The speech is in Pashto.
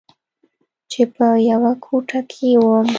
چې په يوه کوټه کښې وم.